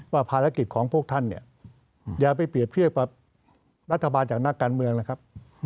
ภารกิจของพวกท่านเนี่ยอย่าไปเปรียบเทียบกับรัฐบาลจากนักการเมืองนะครับ